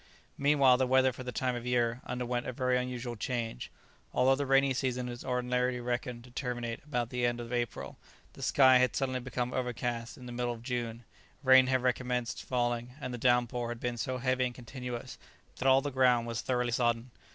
Meanwhile the weather for the time of year underwent a very unusual change. Although the rainy season is ordinarily reckoned to terminate about the end of April, the sky had suddenly become overcast in the middle of June, rain had recommenced falling, and the downpour had been so heavy and continuous that all the ground was thoroughly sodden.